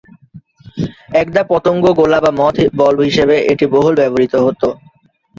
একদা পতঙ্গ গোলা বা মথ বল হিসেবে এটি বহুল ব্যবহৃত হত।